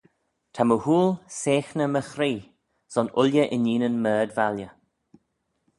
Ta my hooill seaghney my chree, son ooilley inneenyn my ard-valley.